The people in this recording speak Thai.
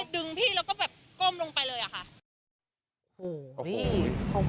ดึงพี่แล้วก็แบบก้มลงไปเลยอะค่ะ